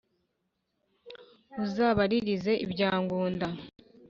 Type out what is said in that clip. Uzabaririze ibya Ngunda